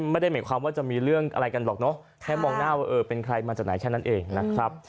ไม่ได้หมายความว่าจะมีเรื่องอะไรกันหรอกเนอะแค่มองหน้าว่าเออเป็นใครมาจากไหนแค่นั้นเองนะครับ